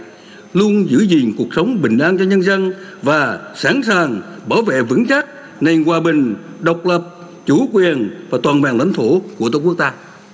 chủ tịch nước sẽ luôn giữ gìn cuộc sống bình an cho nhân dân và sẵn sàng bảo vệ vững chắc nền hòa bình độc lập chủ quyền và toàn bàn lãnh thổ của tổ quốc ta